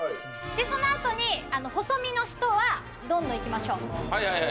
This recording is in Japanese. そのあとに細身の人はどんどんいきましょう。